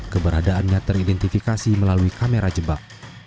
keberadaannya teridentifikasi melalui kamera jebak